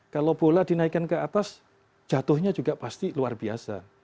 kalau bola dinaikkan ke atas jatuhnya juga pasti luar biasa